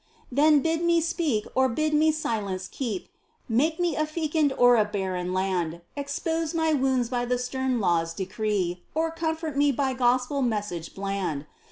Then bid me speak or bid me silence keep, Make me a fecund or a barren land ; Expose my wounds by the stern Law's decree Or comfort me by Gospel message bland.